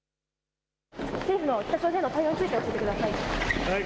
政府の北朝鮮の対応について教えてください。